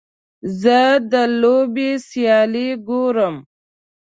زه د لوبې سیالۍ ګورم.